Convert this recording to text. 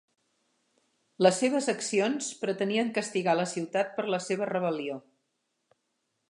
Les seves accions pretenien castigar la ciutat per la seva rebel·lió.